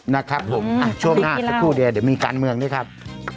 นะครับผมช่วงหน้าสักครู่เดียวเดี๋ยวมีการเมืองด้วยครับ